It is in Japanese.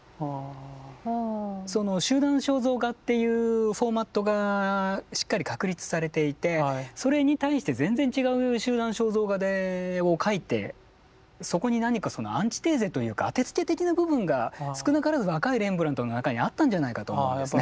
その集団肖像画っていうフォーマットがしっかり確立されていてそれに対して全然違う集団肖像画を描いてそこに何かアンチテーゼというか当てつけ的な部分が少なからず若いレンブラントの中にあったんじゃないかと思うんですね。